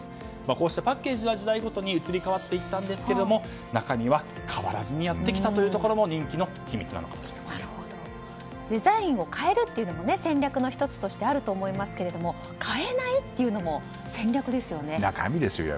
こうしたパッケージは時代ごとに移り変わっていきましたが中身は変わらずにやってきたというのもデザインを変えるというのも戦略の１つとしてあると思いますけれども変えないというのも戦略ですよね。